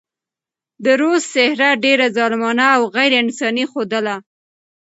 د روس څهره ډېره ظالمانه او غېر انساني ښودله.